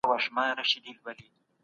تاسو د زکات په فضيلت پوهېږئ.